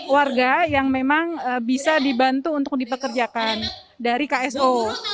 warga yang memang bisa dibantu untuk dipekerjakan dari kso